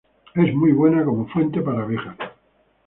Es muy buena como fuente para abejas.